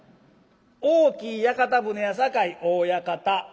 大きい屋形船やさかい大屋形」。